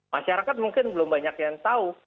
masyarakat mungkin belum banyak yang tahu